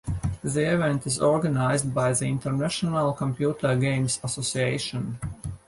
The event is organized by the International Computer Games Association.